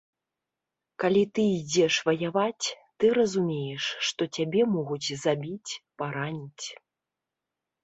Калі ты ідзеш ваяваць, ты разумееш, што цябе могуць забіць, параніць.